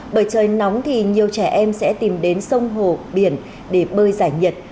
bởi trời nóng thì nhiều trẻ em sẽ tìm đến sông hồ biển để bơi giải nhiệt